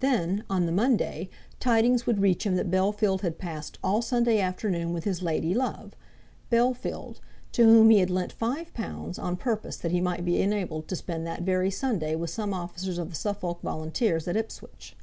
Then, on the Monday, tidings would reach him that Bellfield had passed all Sunday afternoon with his lady love, Bellfield, to whom he had lent five pounds on purpose that he might be enabled to spend that very Sunday with some officers of the Suffolk volunteers at Ipswich.